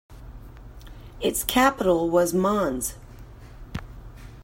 Its capital was Mons.